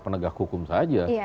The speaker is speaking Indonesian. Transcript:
para penegak hukum saja